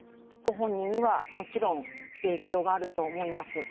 ご本人にはもちろん影響があると思います。